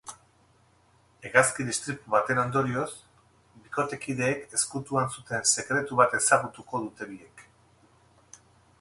Hegazkin istripu baten ondorioz, bikotekideek ezkutuan zuten sekretu bat ezagutuko dute biek.